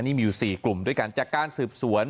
อันนี้มีอยู่๔กลุ่มด้วยการจัดการสืบสวน